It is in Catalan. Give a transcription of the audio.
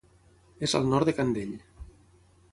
És al nord de Candell.